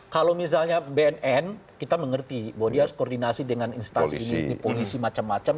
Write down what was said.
kalau misalnya bnn kita mengerti bahwa dia harus koordinasi dengan instansi polisi macam macam